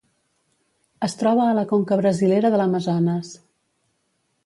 Es troba a la conca brasilera de l'Amazones.